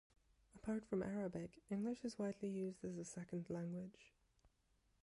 Apart from Arabic, English is widely used as a second language.